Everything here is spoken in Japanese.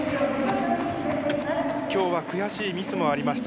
今日は悔しいミスもありました。